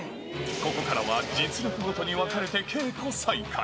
ここからは実力ごとに分かれて稽古再開。